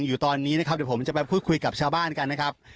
อยู่ตอนนี้นะครับเดี๋ยวผมจะไปพูดคุยกับชาวบ้านกันนะครับ